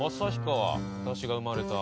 私が生まれた。